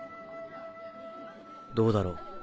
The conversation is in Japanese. どうだろう。